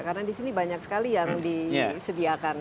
karena disini banyak sekali yang disediakan ya